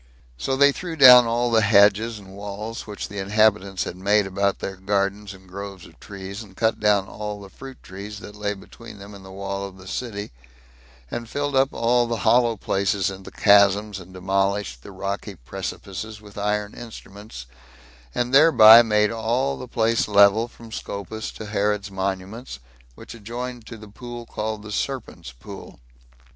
So they threw down all the hedges and walls which the inhabitants had made about their gardens and groves of trees, and cut down all the fruit trees that lay between them and the wall of the city, and filled up all the hollow places and the chasms, and demolished the rocky precipices with iron instruments; and thereby made all the place level from Scopus to Herod's monuments, which adjoined to the pool called the Serpent's Pool.